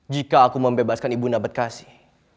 jika aku membebaskan ibu nambet kasih